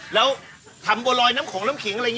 แล้วทำบวกรอยน้ำของน้ำขิงมั้ย